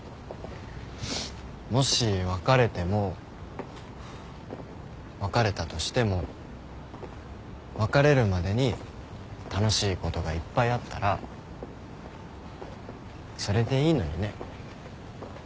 もし別れても別れたとしても別れるまでに楽しいことがいっぱいあったらそれでいいのにね。